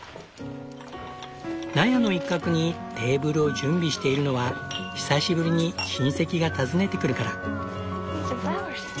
納屋の一角にテーブルを準備しているのは久しぶりに親戚が訪ねてくるから。